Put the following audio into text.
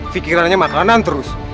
fikirannya makanan terus